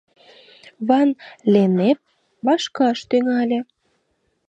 — Ван-Леннеп вашкаш тӱҥале.